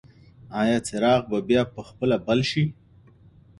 ایا څراغ به بیا په خپله بل شي؟